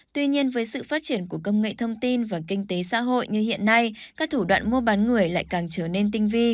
tuy nhiên với sự phát triển của công nghệ thông tin và kinh tế xã hội như hiện nay các thủ đoạn mua bán người lại càng trở nên tinh vi